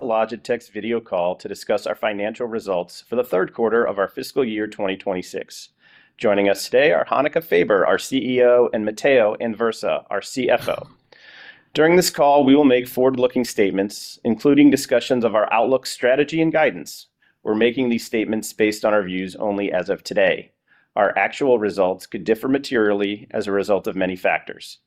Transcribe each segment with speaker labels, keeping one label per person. Speaker 1: Logitech's video call to discuss our financial results for the third quarter of our fiscal year 2026. Joining us today are Hanneke Faber, our CEO, and Matteo Anversa, our CFO. During this call, we will make forward-looking statements, including discussions of our outlook, strategy, and guidance. We're making these statements based on our views only as of today. Our actual results could differ materially as a result of many factors.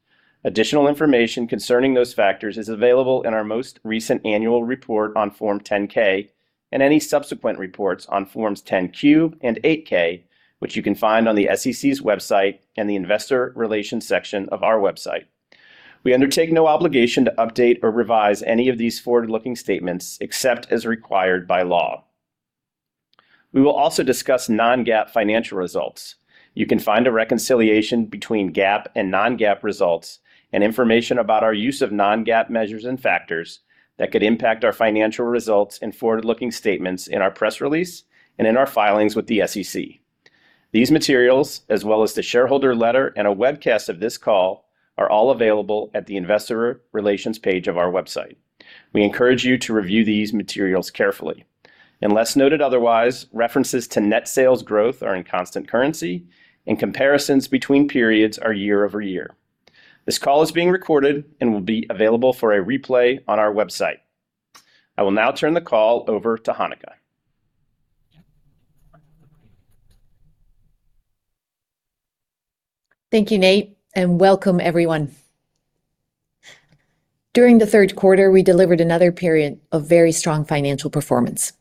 Speaker 1: Additional information concerning those factors is available in our most recent annual report on Form 10-K and any subsequent reports on Forms 10-Q and 8-K, which you can find on the SEC's website and the Investor Relations section of our website. We undertake no obligation to update or revise any of these forward-looking statements except as required by law. We will also discuss non-GAAP financial results. You can find a reconciliation between GAAP and non-GAAP results and information about our use of non-GAAP measures and factors that could impact our financial results and forward-looking statements in our press release and in our filings with the SEC. These materials, as well as the shareholder letter and a webcast of this call, are all available at the Investor Relations page of our website. We encourage you to review these materials carefully. Unless noted otherwise, references to net sales growth are in constant currency, and comparisons between periods are year-over-year. This call is being recorded and will be available for a replay on our website. I will now turn the call over to Hanneke.
Speaker 2: Thank you, Nate, and welcome, everyone. During the third quarter, we delivered another period of very strong financial performance.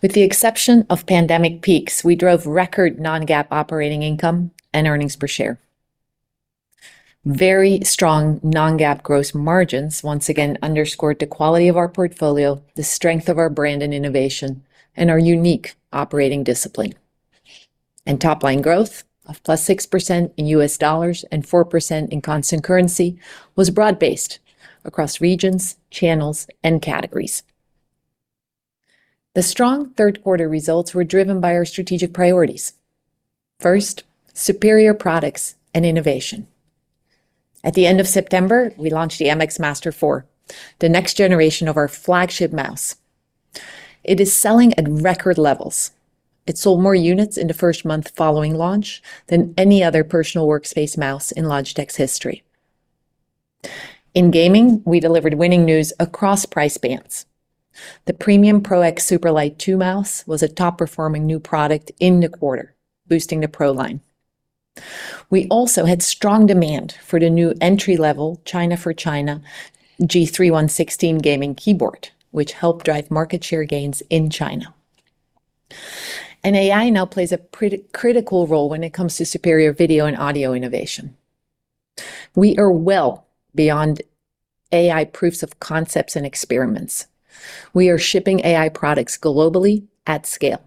Speaker 2: With the exception of pandemic peaks, we drove record non-GAAP operating income and earnings per share. Very strong non-GAAP gross margins once again underscored the quality of our portfolio, the strength of our brand and innovation, and our unique operating discipline. Top-line growth of +6% in U.S. dollars and 4% in constant currency was broad-based across regions, channels, and categories. The strong third-quarter results were driven by our strategic priorities. First, superior products and innovation. At the end of September, we launched the MX Master 4, the next generation of our flagship mouse. It is selling at record levels. It sold more units in the first month following launch than any other personal workspace mouse in Logitech's history. In gaming, we delivered winning news across price bands. The PRO X SUPERLIGHT 2 mouse was a top-performing new product in the quarter, boosting the PRO line. We also had strong demand for the new entry-level China-for-China G316 gaming keyboard, which helped drive market share gains in China. AI now plays a critical role when it comes to superior video and audio innovation. We are well beyond AI proofs of concepts and experiments. We are shipping AI products globally at scale.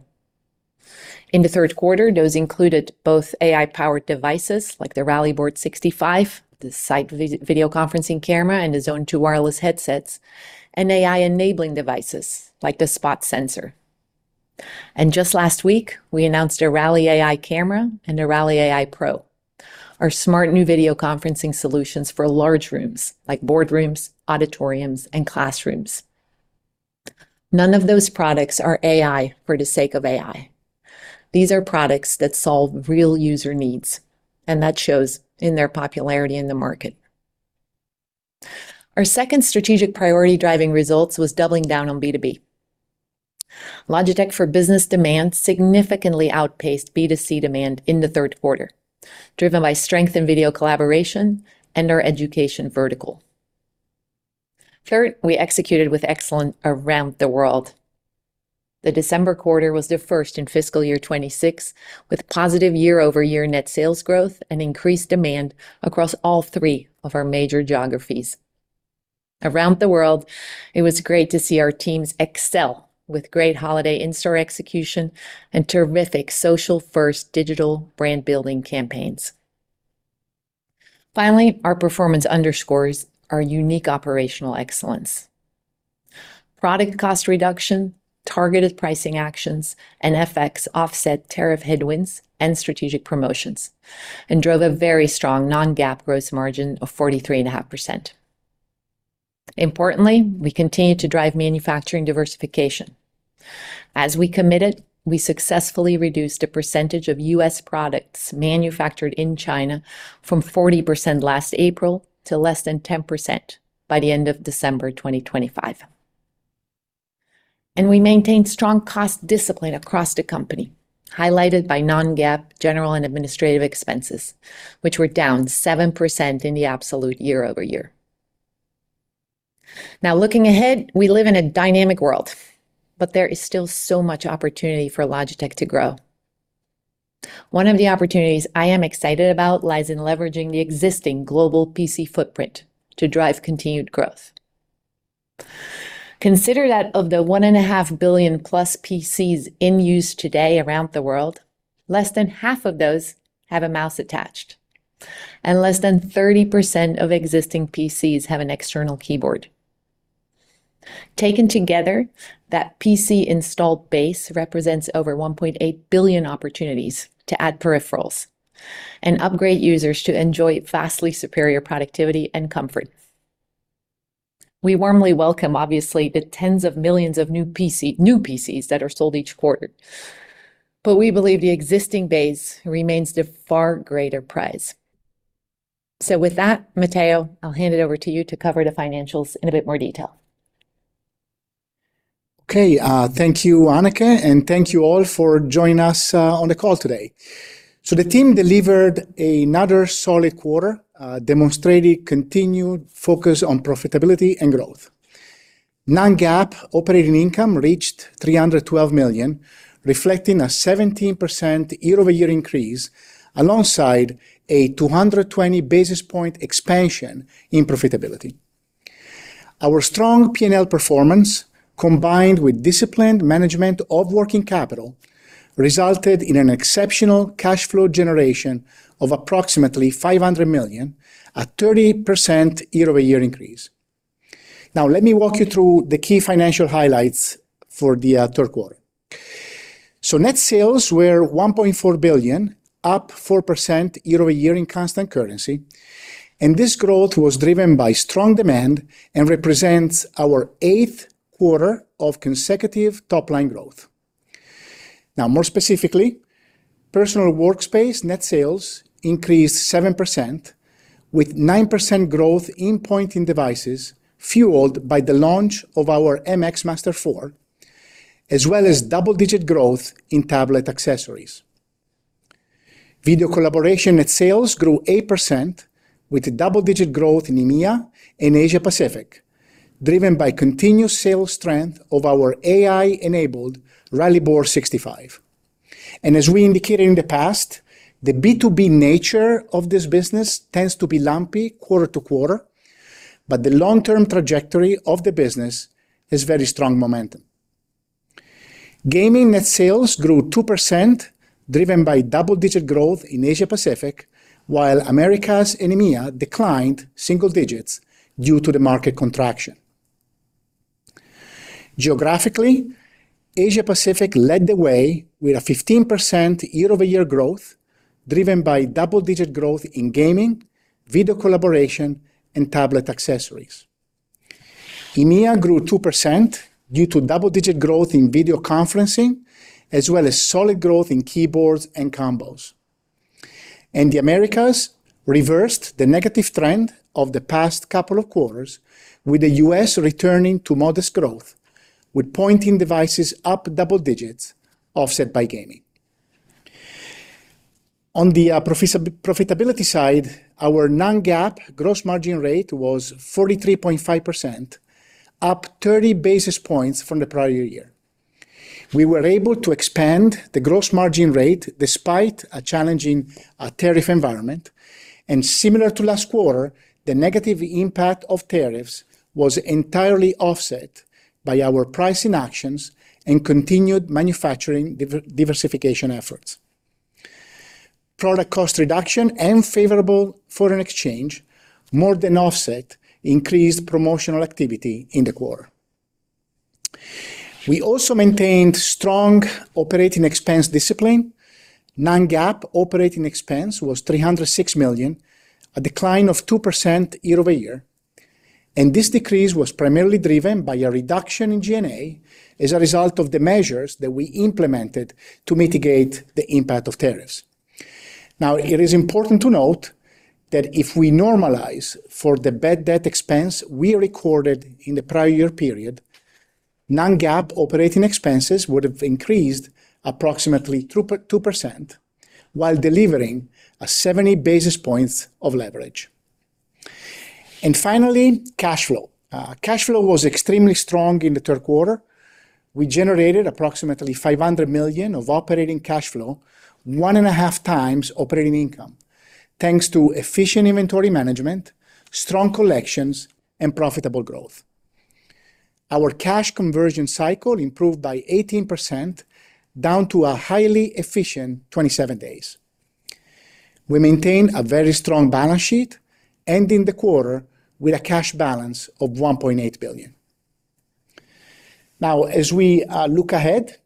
Speaker 2: In the third quarter, those included both AI-powered devices like the Rally Board 65, the Sight video conferencing camera, and the Zone Wireless 2 headsets, and AI-enabling devices like the Spot sensor. Just last week, we announced a Rally AI Camera and a Rally AI Pro, our smart new video conferencing solutions for large rooms like boardrooms, auditoriums, and classrooms. None of those products are AI for the sake of AI. These are products that solve real user needs, and that shows in their popularity in the market. Our second strategic priority driving results was doubling down on B2B. Logitech for Business demand significantly outpaced B2C demand in the third quarter, driven by strength in video collaboration and our education vertical. Third, we executed with excellence around the world. The December quarter was the first in fiscal year 2026, with positive year-over-year net sales growth and increased demand across all three of our major geographies. Around the world, it was great to see our teams excel with great holiday in-store execution and terrific social-first digital brand-building campaigns. Finally, our performance underscores our unique operational excellence. Product cost reduction, targeted pricing actions, and FX offset tariff headwinds and strategic promotions drove a very strong non-GAAP gross margin of 43.5%. Importantly, we continue to drive manufacturing diversification. As we committed, we successfully reduced the percentage of U.S. products manufactured in China from 40% last April to less than 10% by the end of December 2025. We maintained strong cost discipline across the company, highlighted by non-GAAP general and administrative expenses, which were down 7% in the absolute year-over-year. Now, looking ahead, we live in a dynamic world, but there is still so much opportunity for Logitech to grow. One of the opportunities I am excited about lies in leveraging the existing global PC footprint to drive continued growth. Consider that of the 1.5 billion+ PCs in use today around the world, less than half of those have a mouse attached, and less than 30% of existing PCs have an external keyboard. Taken together, that PC installed base represents over 1.8 billion opportunities to add peripherals and upgrade users to enjoy vastly superior productivity and comfort. We warmly welcome, obviously, the tens of millions of new PCs that are sold each quarter, but we believe the existing base remains the far greater prize. So with that, Matteo, I'll hand it over to you to cover the financials in a bit more detail.
Speaker 3: Okay, thank you, Hanneke, and thank you all for joining us on the call today. So the team delivered another solid quarter, demonstrating continued focus on profitability and growth. Non-GAAP operating income reached $312 million, reflecting a 17% year-over-year increase alongside a 220 basis point expansion in profitability. Our strong P&L performance, combined with disciplined management of working capital, resulted in an exceptional cash flow generation of approximately $500 million, a 30% year-over-year increase. Now, let me walk you through the key financial highlights for the third quarter. So net sales were $1.4 billion, up 4% year-over-year in constant currency, and this growth was driven by strong demand and represents our eighth quarter of consecutive top-line growth. Now, more specifically, personal workspace net sales increased 7%, with 9% growth in pointing devices fueled by the launch of our MX Master 4, as well as double-digit growth in tablet accessories. Video collaboration net sales grew 8%, with double-digit growth in EMEA and Asia-Pacific, driven by continuous sales strength of our AI-enabled Rally Board 65. As we indicated in the past, the B2B nature of this business tends to be lumpy quarter to quarter, but the long-term trajectory of the business has very strong momentum. Gaming net sales grew 2%, driven by double-digit growth in Asia-Pacific, while Americas and EMEA declined single digits due to the market contraction. Geographically, Asia-Pacific led the way with a 15% year-over-year growth, driven by double-digit growth in gaming, video collaboration, and tablet accessories. EMEA grew 2% due to double-digit growth in video conferencing, as well as solid growth in keyboards and combos. And the Americas reversed the negative trend of the past couple of quarters, with the U.S. returning to modest growth, with pointing devices up double digits offset by gaming. On the profitability side, our non-GAAP gross margin rate was 43.5%, up 30 basis points from the prior year. We were able to expand the gross margin rate despite a challenging tariff environment, and similar to last quarter, the negative impact of tariffs was entirely offset by our pricing actions and continued manufacturing diversification efforts. Product cost reduction and favorable foreign exchange more than offset increased promotional activity in the quarter. We also maintained strong operating expense discipline. Non-GAAP operating expense was $306 million, a decline of 2% year-over-year, and this decrease was primarily driven by a reduction in G&A as a result of the measures that we implemented to mitigate the impact of tariffs. Now, it is important to note that if we normalize for the bad debt expense we recorded in the prior year period, Non-GAAP operating expenses would have increased approximately 2% while delivering 70 basis points of leverage. And finally, cash flow. Cash flow was extremely strong in the third quarter. We generated approximately $500 million of operating cash flow, 1.5 times operating income, thanks to efficient inventory management, strong collections, and profitable growth. Our cash conversion cycle improved by 18%, down to a highly efficient 27 days. We maintained a very strong balance sheet, ending the quarter with a cash balance of $1.8 billion. Now, as we look ahead,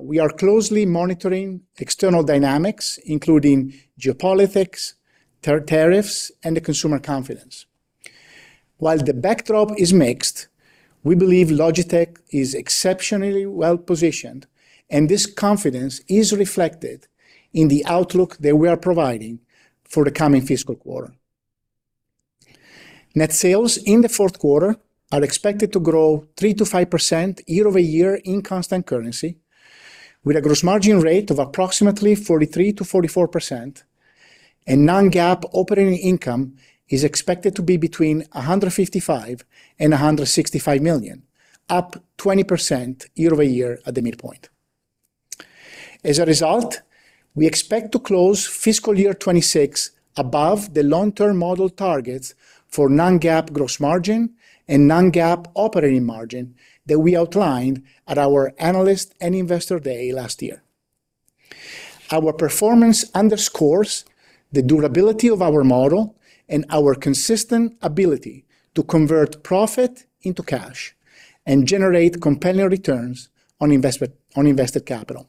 Speaker 3: we are closely monitoring external dynamics, including geopolitics, tariffs, and the consumer confidence. While the backdrop is mixed, we believe Logitech is exceptionally well positioned, and this confidence is reflected in the outlook that we are providing for the coming fiscal quarter. Net sales in the fourth quarter are expected to grow 3%-5% year-over-year in constant currency, with a gross margin rate of approximately 43%-44%, and non-GAAP operating income is expected to be between $155 million and $165 million, up 20% year-over-year at the midpoint. As a result, we expect to close fiscal year 2026 above the long-term model targets for non-GAAP gross margin and non-GAAP operating margin that we outlined at our Analyst and Investor Day last year. Our performance underscores the durability of our model and our consistent ability to convert profit into cash and generate compelling returns on invested capital.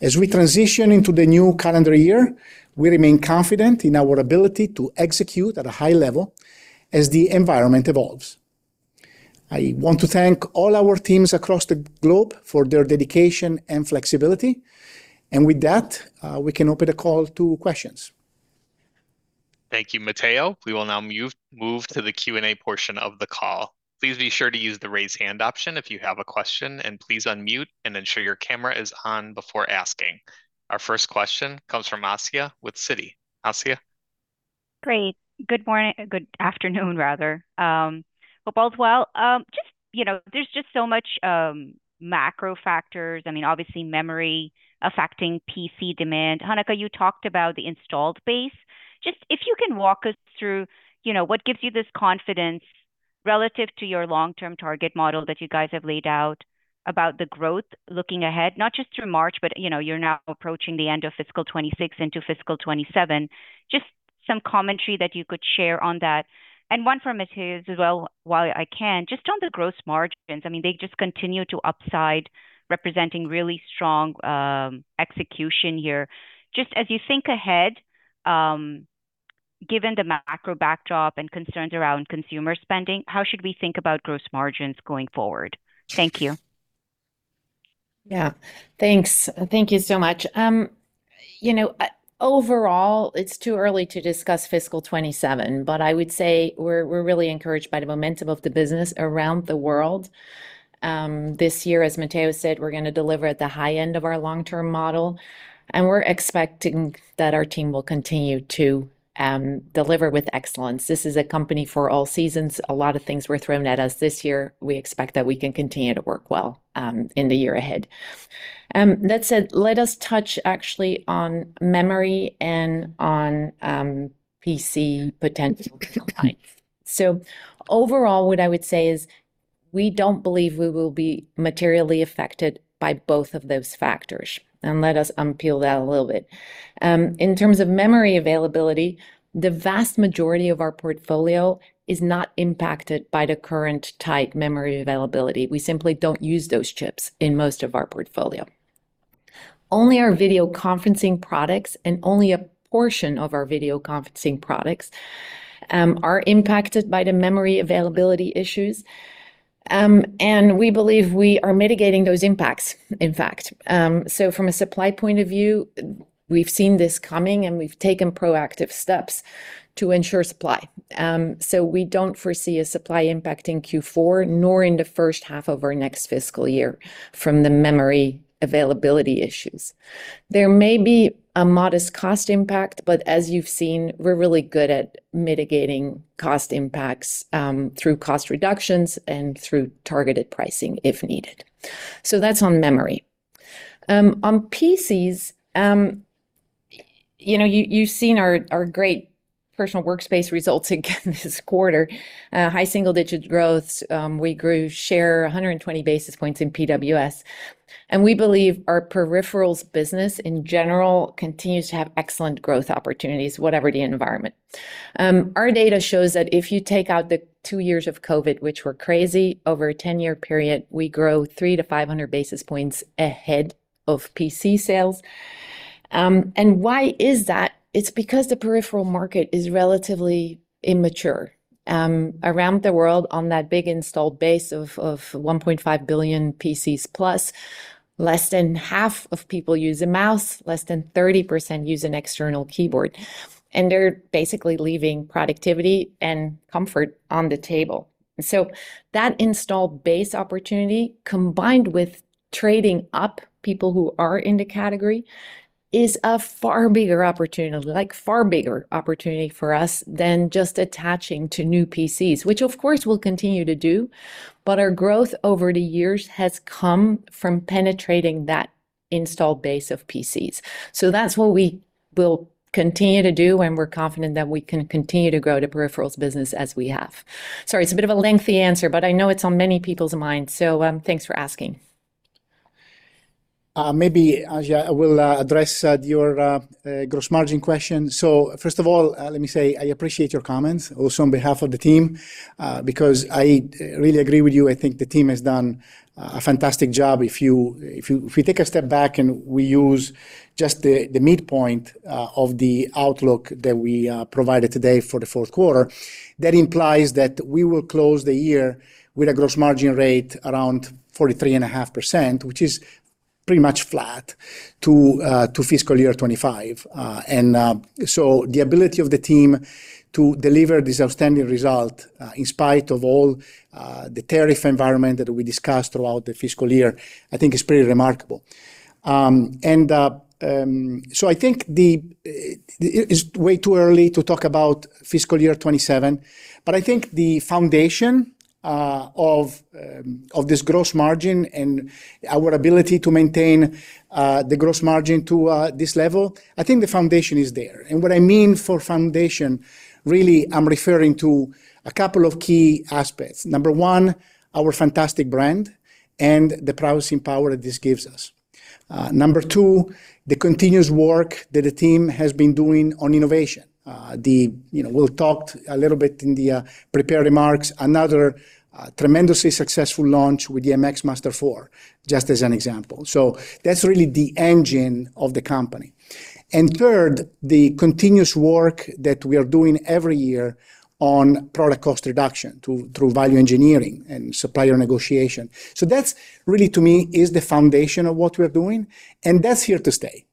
Speaker 3: As we transition into the new calendar year, we remain confident in our ability to execute at a high level as the environment evolves. I want to thank all our teams across the globe for their dedication and flexibility, and with that, we can open the call to questions.
Speaker 1: Thank you, Matteo. We will now move to the Q&A portion of the call. Please be sure to use the raise hand option if you have a question, and please unmute and ensure your camera is on before asking. Our first question comes from Asiya with Citi. Asiya.
Speaker 4: Great. Good afternoon, rather. Hope all's well. Just, you know, there's just so much macro factors. I mean, obviously, memory affecting PC demand. Hanneke, you talked about the installed base. Just if you can walk us through, you know, what gives you this confidence relative to your long-term target model that you guys have laid out about the growth looking ahead, not just through March, but, you know, you're now approaching the end of fiscal 2026 into fiscal 2027. Just some commentary that you could share on that. And one from Matteo as well, while I can, just on the gross margins. I mean, they just continue to upside, representing really strong execution here. Just as you think ahead, given the macro backdrop and concerns around consumer spending, how should we think about gross margins going forward? Thank you.
Speaker 2: Yeah, thanks. Thank you so much. You know, overall, it's too early to discuss fiscal 2027, but I would say we're really encouraged by the momentum of the business around the world. This year, as Matteo said, we're going to deliver at the high end of our long-term model, and we're expecting that our team will continue to deliver with excellence. This is a company for all seasons. A lot of things were thrown at us this year. We expect that we can continue to work well in the year ahead. That said, let us touch actually on memory and on PC potential. So overall, what I would say is we don't believe we will be materially affected by both of those factors. And let us unpeel that a little bit. In terms of memory availability, the vast majority of our portfolio is not impacted by the current tight memory availability. We simply don't use those chips in most of our portfolio. Only our video conferencing products and only a portion of our video conferencing products are impacted by the memory availability issues, and we believe we are mitigating those impacts, in fact. So from a supply point of view, we've seen this coming, and we've taken proactive steps to ensure supply. So we don't foresee a supply impact in Q4, nor in the first half of our next fiscal year from the memory availability issues. There may be a modest cost impact, but as you've seen, we're really good at mitigating cost impacts through cost reductions and through targeted pricing if needed. So that's on memory. On PCs, you know, you've seen our great personal workspace results again this quarter. High single-digit growth. We grew share 120 basis points in PWS. We believe our peripherals business in general continues to have excellent growth opportunities, whatever the environment. Our data shows that if you take out the two years of COVID, which were crazy, over a 10-year period, we grow 300 to 500 basis points ahead of PC sales. Why is that? It's because the peripheral market is relatively immature. Around the world, on that big installed base of 1.5 billion PCs plus, less than half of people use a mouse, less than 30% use an external keyboard. They're basically leaving productivity and comfort on the table. So that installed base opportunity, combined with trading up people who are in the category, is a far bigger opportunity, like far bigger opportunity for us than just attaching to new PCs, which of course we'll continue to do, but our growth over the years has come from penetrating that installed base of PCs. So that's what we will continue to do, and we're confident that we can continue to grow the peripherals business as we have. Sorry, it's a bit of a lengthy answer, but I know it's on many people's minds, so thanks for asking.
Speaker 3: Maybe, Asiya, I will address your gross margin question. So first of all, let me say I appreciate your comments, also on behalf of the team, because I really agree with you. I think the team has done a fantastic job. If you take a step back and we use just the midpoint of the outlook that we provided today for the fourth quarter, that implies that we will close the year with a gross margin rate around 43.5%, which is pretty much flat to fiscal year 2025. And so the ability of the team to deliver this outstanding result in spite of all the tariff environment that we discussed throughout the fiscal year, I think is pretty remarkable. And so I think it's way too early to talk about fiscal year 2027, but I think the foundation of this gross margin and our ability to maintain the gross margin to this level. I think the foundation is there. And what I mean for foundation, really, I'm referring to a couple of key aspects. Number one, our fantastic brand and the prowess and power that this gives us. Number two, the continuous work that the team has been doing on innovation. We'll talk a little bit in the prepared remarks, another tremendously successful launch with the MX Master 4, just as an example. So that's really the engine of the company. And third, the continuous work that we are doing every year on product cost reduction through value engineering and supplier negotiation. So that's really, to me, is the foundation of what we are doing, and that's here to stay.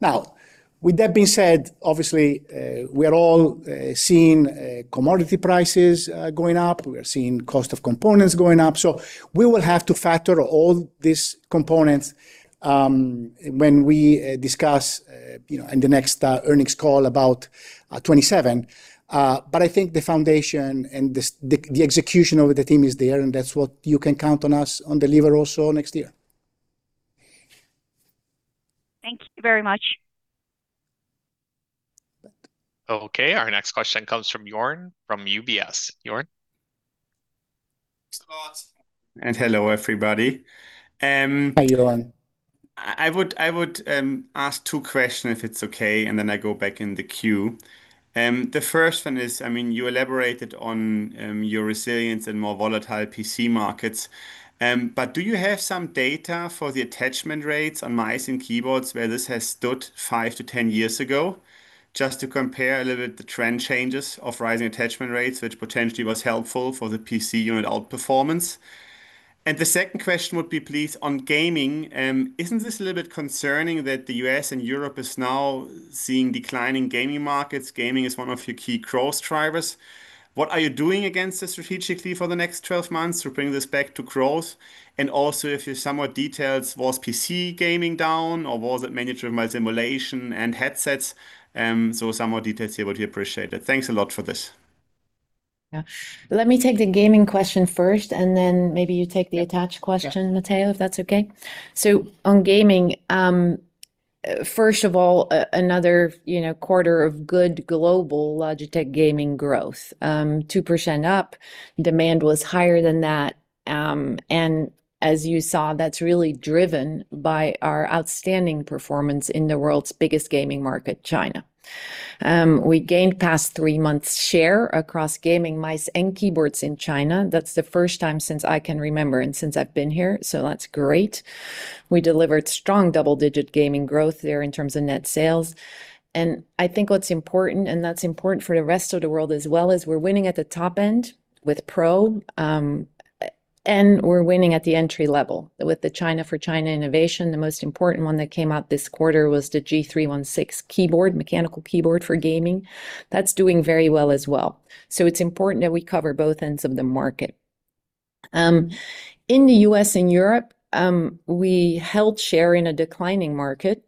Speaker 3: Now, with that being said, obviously, we are all seeing commodity prices going up. We are seeing cost of components going up. So we will have to factor all these components when we discuss in the next earnings call about 2027. But I think the foundation and the execution of the team is there, and that's what you can count on us on deliver also next year.
Speaker 5: Thank you very much.
Speaker 1: Okay, our next question comes from Jörn from UBS. Jörn.
Speaker 4: Thanks a lot. Hello, everybody.
Speaker 2: Hi, Jörn.
Speaker 6: I would ask two questions if it's okay, and then I go back in the queue. The first one is, I mean, you elaborated on your resilience in more volatile PC markets, but do you have some data for the attachment rates on mice and keyboards where this has stood five to 10 years ago? Just to compare a little bit the trend changes of rising attachment rates, which potentially was helpful for the PC unit outperformance. The second question would be, please, on gaming. Isn't this a little bit concerning that the U.S. and Europe is now seeing declining gaming markets? Gaming is one of your key growth drivers. What are you doing against this strategically for the next 12 months to bring this back to growth? And also, if you're somewhat detailed, was PC gaming down, or was it managed with my simulation and headsets? Some more details here would be appreciated. Thanks a lot for this.
Speaker 2: Yeah, let me take the gaming question first, and then maybe you take the attached question, Matteo, if that's okay. So on gaming, first of all, another quarter of good global Logitech gaming growth, 2% up. Demand was higher than that. And as you saw, that's really driven by our outstanding performance in the world's biggest gaming market, China. We gained past three months' share across gaming mice and keyboards in China. That's the first time since I can remember and since I've been here, so that's great. We delivered strong double-digit gaming growth there in terms of net sales. And I think what's important, and that's important for the rest of the world as well, is we're winning at the top end with Pro, and we're winning at the entry level with the China for China innovation. The most important one that came out this quarter was the G316 X keyboard, mechanical keyboard for gaming. That's doing very well as well. It's important that we cover both ends of the market. In the U.S. and Europe, we held share in a declining market,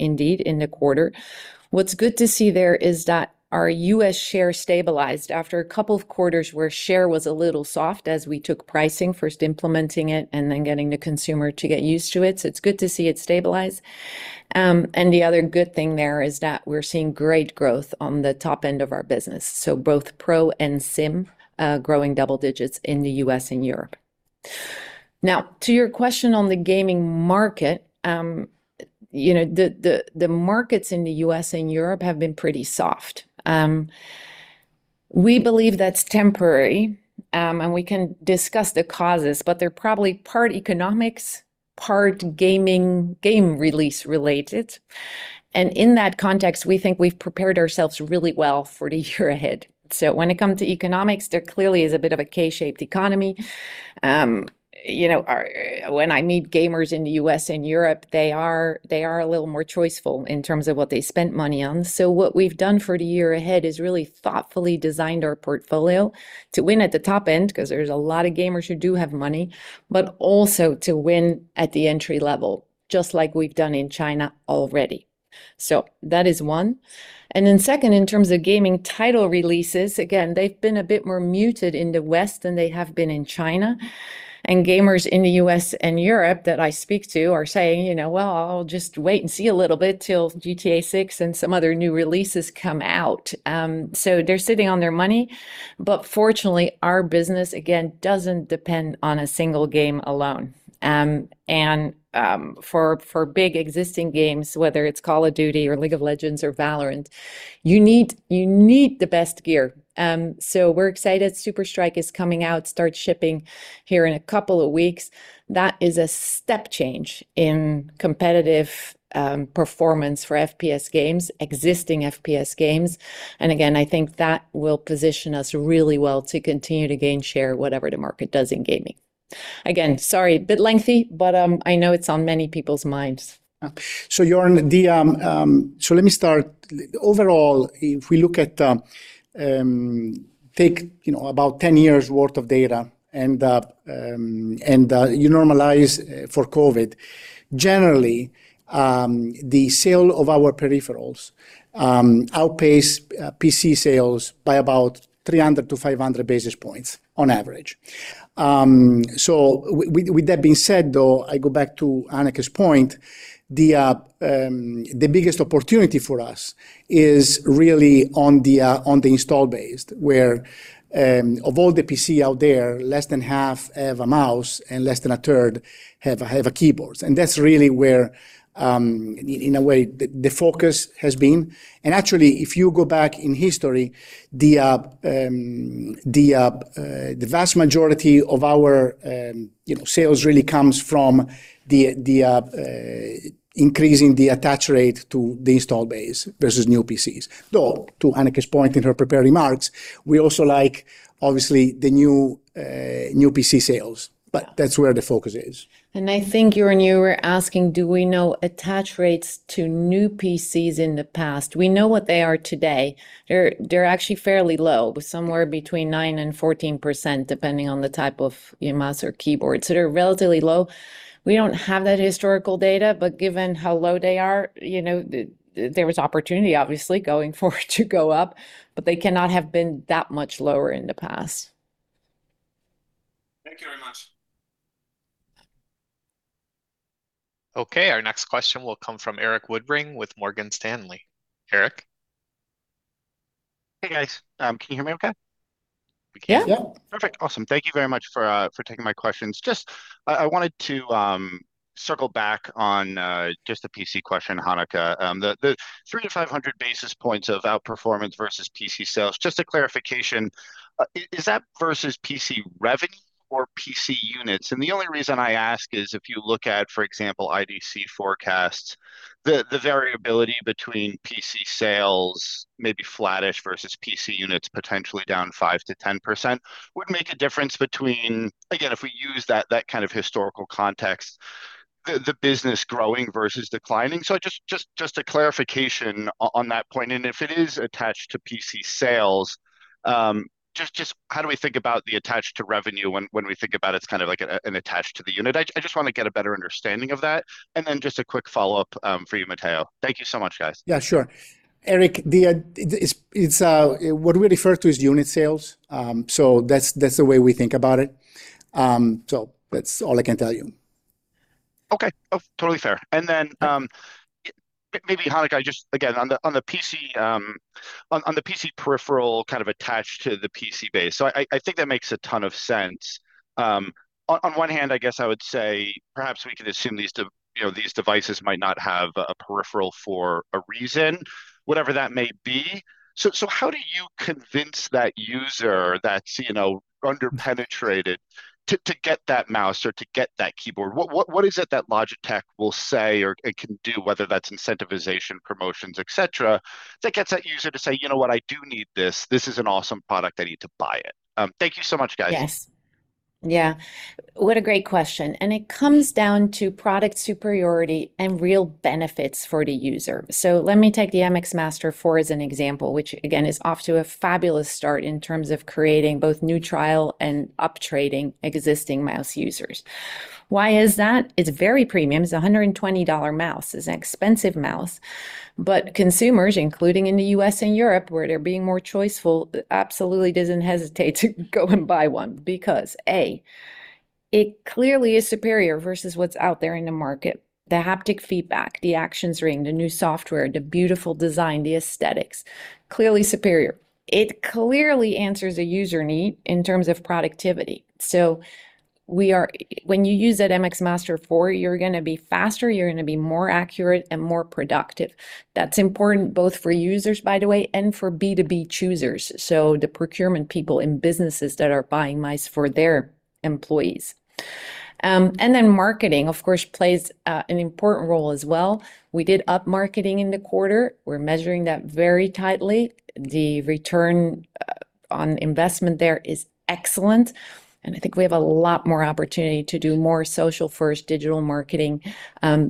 Speaker 2: indeed, in the quarter. What's good to see there is that our U.S. share stabilized after a couple of quarters where share was a little soft as we took pricing, first implementing it, and then getting the consumer to get used to it. It's good to see it stabilize. The other good thing there is that we're seeing great growth on the top end of our business. Both Pro and Sim growing double digits in the U.S. and Europe. Now, to your question on the gaming market, you know, the markets in the U.S. and Europe have been pretty soft. We believe that's temporary, and we can discuss the causes, but they're probably part economics, part gaming game release related. And in that context, we think we've prepared ourselves really well for the year ahead. So when it comes to economics, there clearly is a bit of a K-shaped economy. You know, when I meet gamers in the U.S. and Europe, they are a little more choiceful in terms of what they spent money on. So what we've done for the year ahead is really thoughtfully designed our portfolio to win at the top end because there's a lot of gamers who do have money, but also to win at the entry level, just like we've done in China already. So that is one. And then second, in terms of gaming title releases, again, they've been a bit more muted in the West than they have been in China. Gamers in the U.S. and Europe that I speak to are saying, you know, well, I'll just wait and see a little bit till GTA 6 and some other new releases come out. So they're sitting on their money. But fortunately, our business, again, doesn't depend on a single game alone. And for big existing games, whether it's Call of Duty or League of Legends or Valorant, you need the best gear. So we're excited. SUPERSTRIKE is coming out, starts shipping here in a couple of weeks. That is a step change in competitive performance for FPS games, existing FPS games. And again, I think that will position us really well to continue to gain share, whatever the market does in gaming. Again, sorry, a bit lengthy, but I know it's on many people's minds.
Speaker 3: So Jörn, so let me start. Overall, if we look at, take about 10 years' worth of data and you normalize for COVID, generally, the sales of our peripherals outpaces PC sales by about 300-500 basis points on average. So with that being said, though, I go back to Hanneke's point, the biggest opportunity for us is really on the installed base, where of all the PCs out there, less than half have a mouse and less than a third have a keyboard. And that's really where, in a way, the focus has been. And actually, if you go back in history, the vast majority of our sales really comes from increasing the attach rate to the installed base versus new PCs. Though, to Hanneke's point in her prepared remarks, we also like, obviously, the new PC sales, but that's where the focus is.
Speaker 2: I think Jörn, you were asking, do we know attach rates to new PCs in the past? We know what they are today. They're actually fairly low, somewhere between 9%-14%, depending on the type of mouse or keyboard. So they're relatively low. We don't have that historical data, but given how low they are, you know, there was opportunity, obviously, going forward to go up, but they cannot have been that much lower in the past.
Speaker 6: Thank you very much.
Speaker 1: Okay, our next question will come from Erik Woodring with Morgan Stanley. Erik?
Speaker 7: Hey, guys. Can you hear me okay?
Speaker 3: We can.
Speaker 2: Yeah.
Speaker 7: Perfect. Awesome. Thank you very much for taking my questions. Just, I wanted to circle back on just a PC question, Hanneke. The 300-500 basis points of outperformance versus PC sales, just a clarification, is that versus PC revenue or PC units? And the only reason I ask is if you look at, for example, IDC forecasts, the variability between PC sales maybe flattish versus PC units potentially down 5%-10% would make a difference between, again, if we use that kind of historical context, the business growing versus declining? So just a clarification on that point. And if it is attached to PC sales, just how do we think about the attached to revenue when we think about it's kind of like an attached to the unit? I just want to get a better understanding of that. And then just a quick follow-up for you, Matteo. Thank you so much, guys.
Speaker 3: Yeah, sure. Erik, what we refer to is unit sales. So that's the way we think about it. So that's all I can tell you.
Speaker 7: Okay, totally fair. And then maybe, Hanneke, just again, on the PC peripheral kind of attached to the PC base. So I think that makes a ton of sense. On one hand, I guess I would say perhaps we can assume these devices might not have a peripheral for a reason, whatever that may be. So how do you convince that user that's underpenetrated to get that mouse or to get that keyboard? What is it that Logitech will say or can do, whether that's incentivization, promotions, etc., that gets that user to say, you know what, I do need this. This is an awesome product. I need to buy it. Thank you so much, guys.
Speaker 2: Yes. Yeah, what a great question. It comes down to product superiority and real benefits for the user. Let me take the MX Master 4 as an example, which, again, is off to a fabulous start in terms of creating both new trial and upgrading existing mouse users. Why is that? It's very premium. It's a $120 mouse. It's an expensive mouse. Consumers, including in the U.S. and Europe, where they're being more choiceful, absolutely doesn't hesitate to go and buy one because, A, it clearly is superior versus what's out there in the market. The haptic feedback, the action screen, the new software, the beautiful design, the aesthetics, clearly superior. It clearly answers a user need in terms of productivity. When you use that MX Master 4, you're going to be faster, you're going to be more accurate, and more productive. That's important both for users, by the way, and for B2B choosers, so the procurement people in businesses that are buying mice for their employees. And then marketing, of course, plays an important role as well. We did up marketing in the quarter. We're measuring that very tightly. The return on investment there is excellent. And I think we have a lot more opportunity to do more social-first digital marketing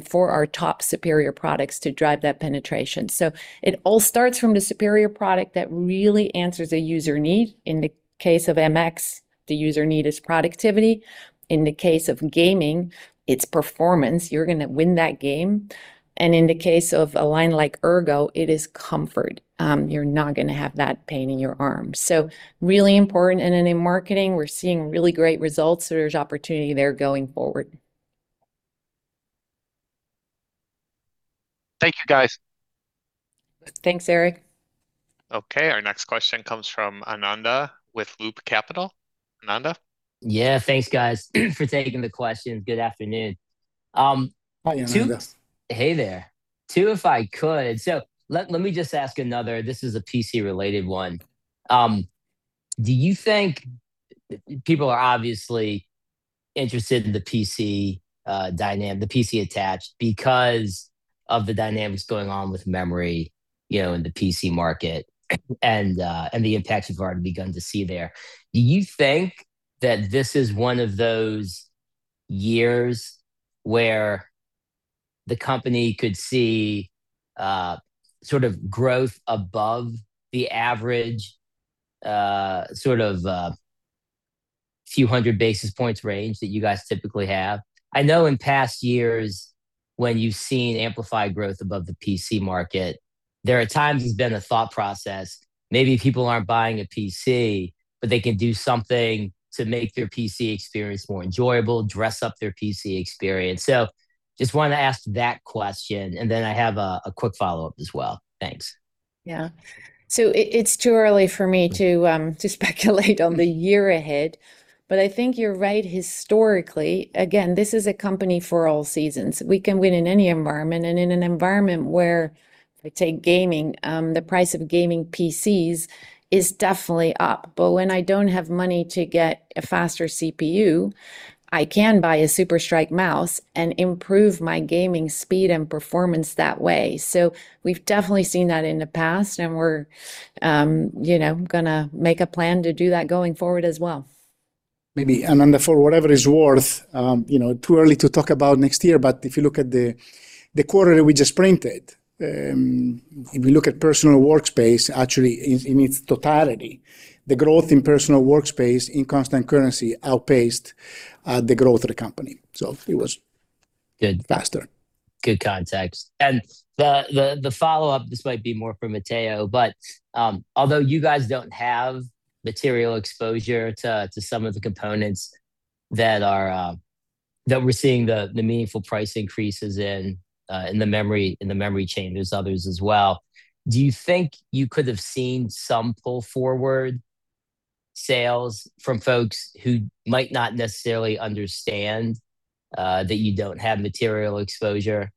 Speaker 2: for our top superior products to drive that penetration. So it all starts from the superior product that really answers a user need. In the case of MX, the user need is productivity. In the case of gaming, it's performance. You're going to win that game. And in the case of a line like Ergo, it is comfort. You're not going to have that pain in your arm. So really important in marketing. We're seeing really great results. There's opportunity there going forward.
Speaker 7: Thank you, guys.
Speaker 2: Thanks, Erik.
Speaker 1: Okay, our next question comes from Ananda with Loop Capital. Ananda?
Speaker 4: Yeah, thanks, guys, for taking the questions. Good afternoon.
Speaker 3: Hi, Ananda.
Speaker 4: Hey there. Too, if I could. Let me just ask another. This is a PC-related one. Do you think people are obviously interested in the PC attach because of the dynamics going on with memory in the PC market and the impact you've already begun to see there? Do you think that this is one of those years where the company could see sort of growth above the average sort of few hundred basis points range that you guys typically have? I know in past years, when you've seen amplified growth above the PC market, there are times it's been a thought process. Maybe people aren't buying a PC, but they can do something to make their PC experience more enjoyable, dress up their PC experience. Just wanted to ask that question. And then I have a quick follow-up as well. Thanks.
Speaker 2: Yeah. So it's too early for me to speculate on the year ahead. But I think you're right historically. Again, this is a company for all seasons. We can win in any environment. And in an environment where, I take gaming, the price of gaming PCs is definitely up. But when I don't have money to get a faster CPU, I can buy a Super Strike mouse and improve my gaming speed and performance that way. So we've definitely seen that in the past. And we're going to make a plan to do that going forward as well.
Speaker 3: Maybe Ananda, for whatever it's worth, too early to talk about next year. But if you look at the quarter that we just printed, if we look at personal workspace, actually in its totality, the growth in personal workspace in constant currency outpaced the growth of the company. So it was faster.
Speaker 4: Good context. The follow-up, this might be more for Matteo, but although you guys don't have material exposure to some of the components that we're seeing the meaningful price increases in the memory changes, others as well, do you think you could have seen some pull forward sales from folks who might not necessarily understand that you don't have material exposure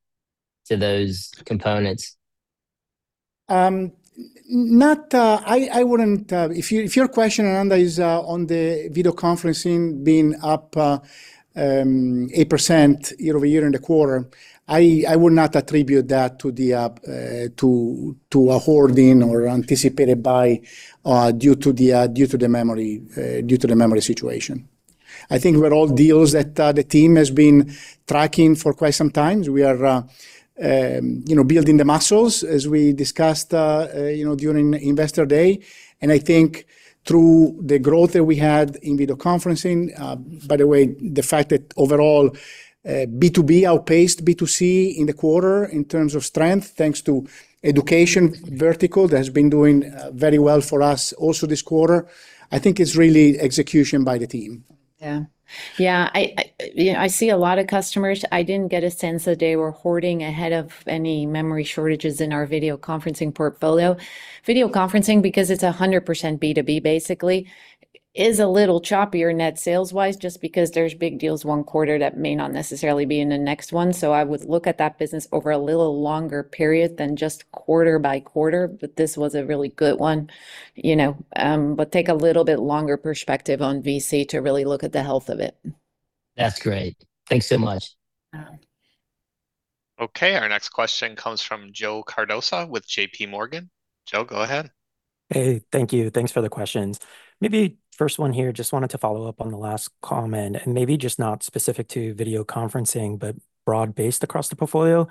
Speaker 4: to those components?
Speaker 3: If your question, Ananda, is on the video conferencing being up 8% year-over-year in the quarter, I would not attribute that to a holding or anticipated buy due to the memory situation. I think we're all deals that the team has been tracking for quite some time. We are building the muscles, as we discussed during Investor Day. I think through the growth that we had in video conferencing, by the way, the fact that overall B2B outpaced B2C in the quarter in terms of strength, thanks to education vertical that has been doing very well for us also this quarter, I think it's really execution by the team.
Speaker 2: Yeah. Yeah, I see a lot of customers. I didn't get a sense that they were hoarding ahead of any memory shortages in our video conferencing portfolio. Video conferencing, because it's 100% B2B, basically, is a little choppier net sales-wise just because there's big deals one quarter that may not necessarily be in the next one. So I would look at that business over a little longer period than just quarter-by-quarter. But this was a really good one. But take a little bit longer perspective on VC to really look at the health of it.
Speaker 4: That's great. Thanks so much.
Speaker 1: Okay, our next question comes from Joe Cardoso with JPMorgan. Joe, go ahead.
Speaker 8: Hey, thank you. Thanks for the questions. Maybe first one here, just wanted to follow up on the last comment. And maybe just not specific to video conferencing, but broad-based across the portfolio.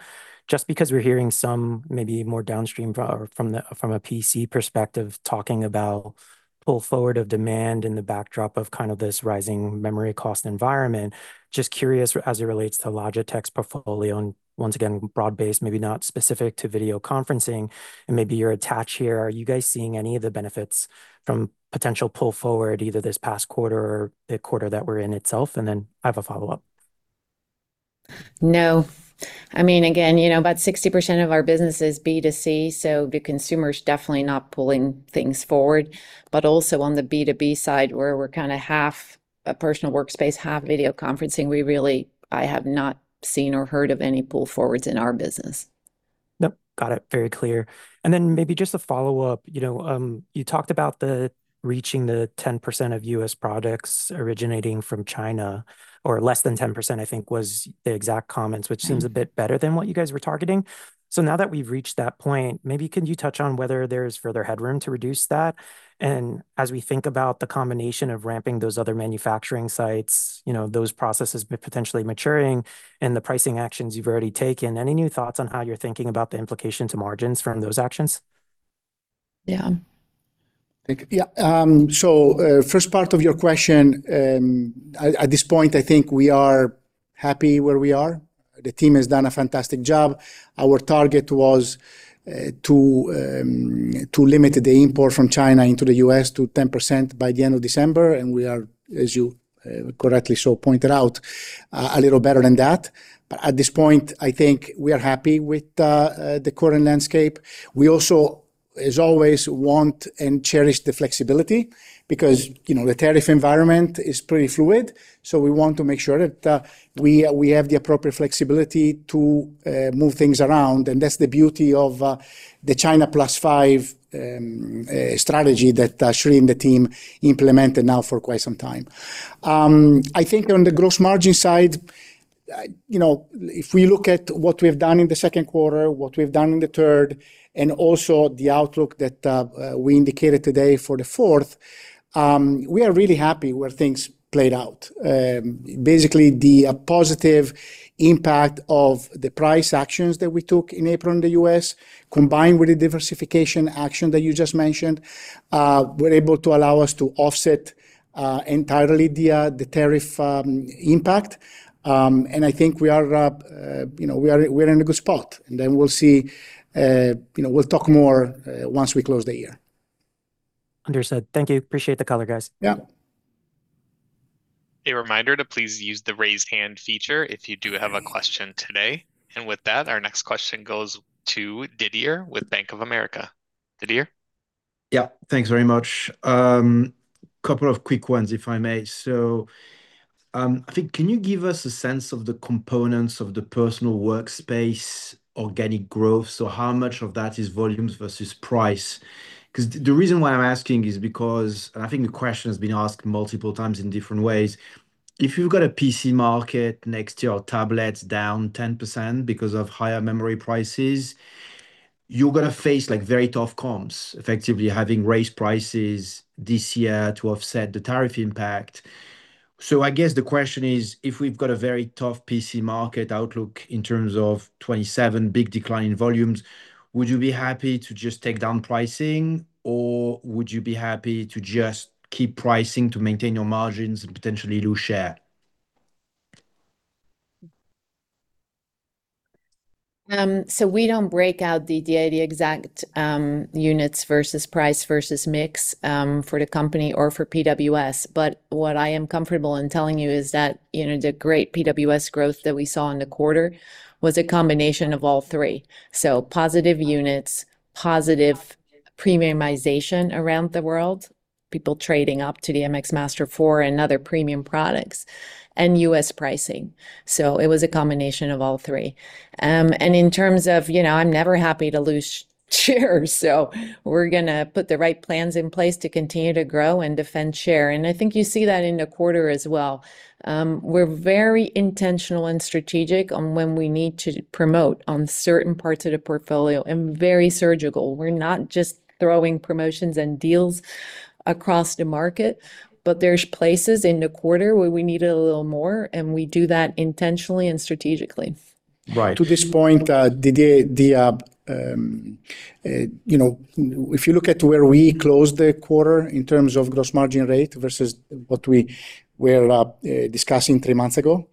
Speaker 8: Just because we're hearing some maybe more downstream from a PC perspective talking about pull forward of demand in the backdrop of kind of this rising memory cost environment. Just curious as it relates to Logitech's portfolio and once again, broad-based, maybe not specific to video conferencing. And maybe your attach rate here. Are you guys seeing any of the benefits from potential pull forward either this past quarter or the quarter that we're in itself? And then I have a follow-up.
Speaker 2: No. I mean, again, you know about 60% of our business is B2C. So the consumer's definitely not pulling things forward. But also on the B2B side, where we're kind of half a personal workspace, half video conferencing, I have not seen or heard of any pull forwards in our business.
Speaker 8: Yep, got it. Very clear. And then maybe just a follow-up. You talked about reaching the 10% of U.S. products originating from China, or less than 10%, I think, was the exact comments, which seems a bit better than what you guys were targeting. So now that we've reached that point, maybe can you touch on whether there's further headroom to reduce that? And as we think about the combination of ramping those other manufacturing sites, those processes potentially maturing, and the pricing actions you've already taken, any new thoughts on how you're thinking about the implications to margins from those actions?
Speaker 2: Yeah.
Speaker 3: Yeah. So first part of your question, at this point, I think we are happy where we are. The team has done a fantastic job. Our target was to limit the import from China into the U.S. to 10% by the end of December. And we are, as you correctly so pointed out, a little better than that. But at this point, I think we are happy with the current landscape. We also, as always, want and cherish the flexibility because the tariff environment is pretty fluid. So we want to make sure that we have the appropriate flexibility to move things around. And that's the beauty of the China-plus-five strategy that Shri and the team implemented now for quite some time. I think on the gross margin side, if we look at what we've done in the second quarter, what we've done in the third, and also the outlook that we indicated today for the fourth, we are really happy where things played out. Basically, the positive impact of the price actions that we took in April in the U.S., combined with the diversification action that you just mentioned, were able to allow us to offset entirely the tariff impact. And I think we are in a good spot. And then we'll see. We'll talk more once we close the year.
Speaker 8: Understood. Thank you. Appreciate the color, guys.
Speaker 3: Yeah.
Speaker 1: A reminder to please use the raise hand feature if you do have a question today. With that, our next question goes to Didier with Bank of America. Didier?
Speaker 4: Yeah, thanks very much. A couple of quick ones, if I may. So I think, can you give us a sense of the components of the personal workspace organic growth? So how much of that is volumes versus price? Because the reason why I'm asking is because, and I think the question has been asked multiple times in different ways, if you've got a PC market next year or tablets down 10% because of higher memory prices, you're going to face very tough comps, effectively having raised prices this year to offset the tariff impact. So I guess the question is, if we've got a very tough PC market outlook in terms of 2027, big decline in volumes, would you be happy to just take down pricing, or would you be happy to just keep pricing to maintain your margins and potentially lose share?
Speaker 2: So we don't break out the exact units versus price versus mix for the company or for PWS. But what I am comfortable in telling you is that the great PWS growth that we saw in the quarter was a combination of all three. So positive units, positive premiumization around the world, people trading up to the MX Master 4 and other premium products, and U.S. pricing. So it was a combination of all three. And in terms of, I'm never happy to lose share. So we're going to put the right plans in place to continue to grow and defend share. And I think you see that in the quarter as well. We're very intentional and strategic on when we need to promote on certain parts of the portfolio and very surgical. We're not just throwing promotions and deals across the market, but there's places in the quarter where we need a little more. We do that intentionally and strategically.
Speaker 3: Right. To this point, Didier, if you look at where we closed the quarter in terms of gross margin rate versus what we were discussing three months ago,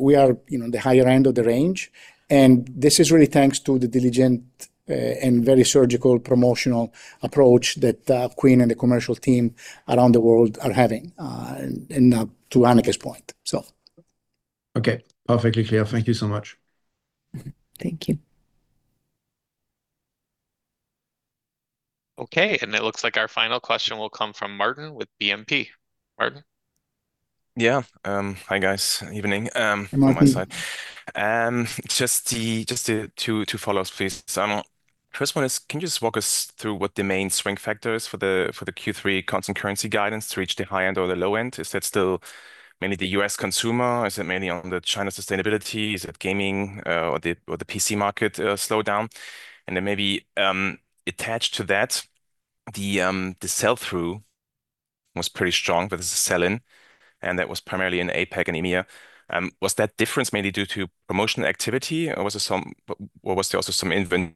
Speaker 3: we are in the higher end of the range. And this is really thanks to the diligent and very surgical promotional approach that Quinn and the commercial team around the world are having, and to Hanneke's point, so.
Speaker 9: Okay. Perfectly clear. Thank you so much.
Speaker 2: Thank you.
Speaker 1: Okay, and it looks like our final question will come from Martin with BNP. Martin?
Speaker 10: Yeah. Hi, guys. Good evening.
Speaker 3: Good morning.
Speaker 10: On my side. Just two follow-ups, please. First one is, can you just walk us through what the main swing factors for the Q3 constant currency guidance to reach the high end or the low end? Is that still mainly the U.S. consumer? Is it mainly on the China sustainability? Is it gaming or the PC market slowdown? And then maybe attached to that, the sell-through was pretty strong. That is a sell-in. And that was primarily in APAC and EMEA. Was that difference mainly due to promotional activity? Or was there also some inventory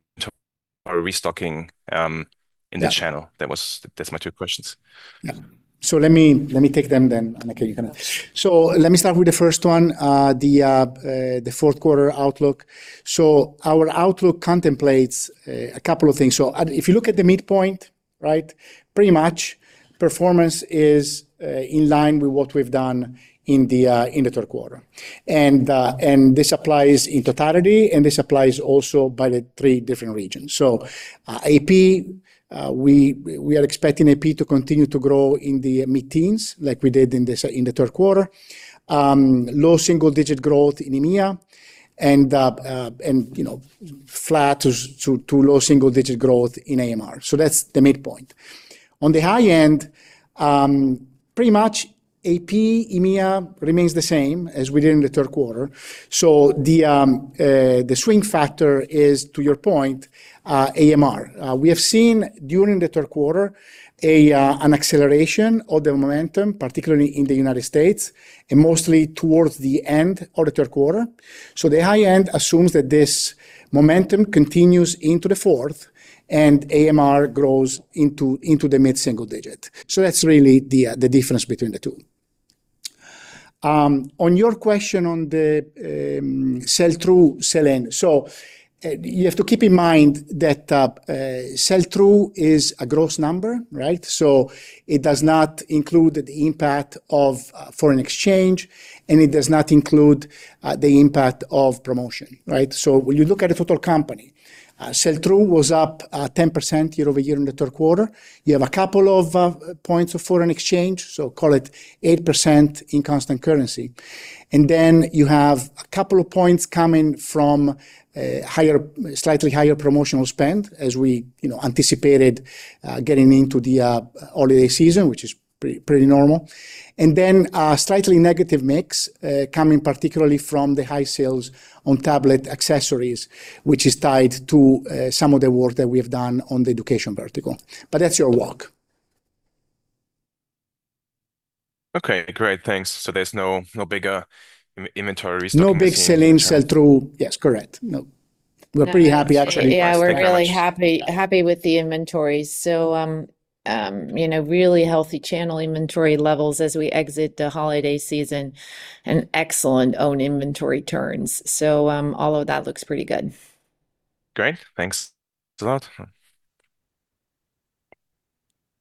Speaker 10: restocking in the channel? That's my two questions.
Speaker 3: Yeah. So let me take them then, Annika. So let me start with the first one, the fourth quarter outlook. So our outlook contemplates a couple of things. So if you look at the midpoint, pretty much performance is in line with what we've done in the third quarter. And this applies in totality. And this applies also by the three different regions. So AP, we are expecting AP to continue to grow in the mid-teens like we did in the third quarter, low single-digit growth in EMEA, and flat to low single-digit growth in AMR. So that's the midpoint. On the high end, pretty much AP, EMEA remains the same as we did in the third quarter. So the swing factor is, to your point, AMR. We have seen during the third quarter an acceleration of the momentum, particularly in the United States, and mostly towards the end of the third quarter. So the high end assumes that this momentum continues into the fourth, and AMR grows into the mid-single digit. So that's really the difference between the two. On your question on the sell-through, sell-in, so you have to keep in mind that sell-through is a gross number. So it does not include the impact of foreign exchange, and it does not include the impact of promotion. So when you look at a total company, sell-through was up 10% year-over-year in the third quarter. You have a couple of points of foreign exchange, so call it 8% in constant currency. And then you have a couple of points coming from slightly higher promotional spend, as we anticipated getting into the holiday season, which is pretty normal. And then a slightly negative mix coming particularly from the high sales on tablet accessories, which is tied to some of the work that we have done on the education vertical. But that's your walk.
Speaker 10: Okay, great. Thanks. So there's no bigger inventory restocking?
Speaker 3: No big sell-in, sell-through. Yes, correct. We're pretty happy, actually.
Speaker 2: Yeah, we're really happy with the inventories. So really healthy channel inventory levels as we exit the holiday season and excellent own inventory turns. So all of that looks pretty good.
Speaker 10: Great. Thanks a lot.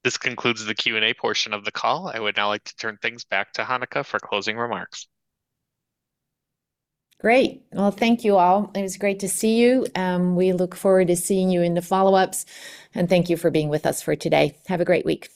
Speaker 1: This concludes the Q&A portion of the call. I would now like to turn things back to Hanneke for closing remarks.
Speaker 2: Great. Well, thank you all. It was great to see you. We look forward to seeing you in the follow-ups. Thank you for being with us for today. Have a great week.